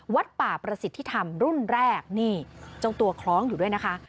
วัดป่าประสิทธิธรรมรุ่นแรกนี่เจ้าตัวคล้องอยู่ด้วยนะคะ